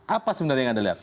apa sebenarnya yang anda lihat